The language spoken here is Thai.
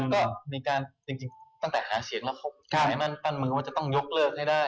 แล้วก็มีการจริงตั้งแต่หาเสียงแล้วขอบคุณนะครับมันปั้นมือว่าจะต้องยกเลิกให้ได้